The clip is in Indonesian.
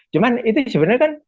cuman itu sebenarnya kan